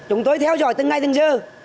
chúng tôi theo dõi từng ngày từng giờ